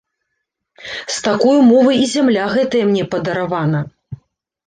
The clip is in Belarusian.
З такой умовай і зямля гэтая мне падаравана.